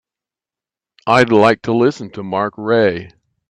I'd like to listen to mark rae